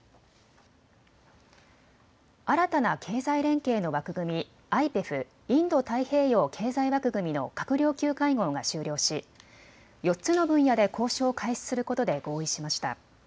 新たな経済連携の枠組み、ＩＰＥＦ・インド太平洋経済枠組みの閣僚級会合が終了し４つの分野で交渉を開始することで合意しました。